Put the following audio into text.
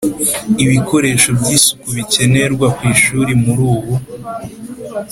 ibikoresho by isuku bikenerwa ku ishuri Muri ubu